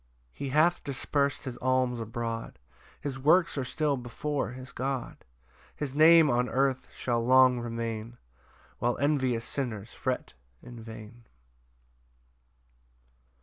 5 He hath dispers'd his alms abroad, His works are still before his God; His name on earth shall long remain, While envious sinners fret in vain.